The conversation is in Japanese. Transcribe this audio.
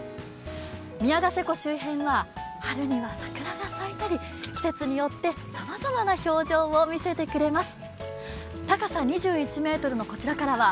宮ヶ瀬湖周辺には春には桜が咲いたり季節によってさまざまな表情を見せてくれます。